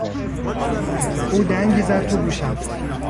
او دنگی زد تو گوشم!